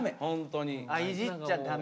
いじっちゃダメ。